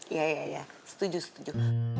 iya ya ya setuju setuju